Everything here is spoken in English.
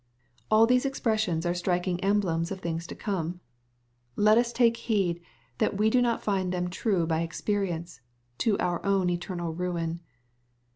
All these expressions are striking emblems of things to come. Let us take heed that we do not find them true by experience, to our own eternal ruin.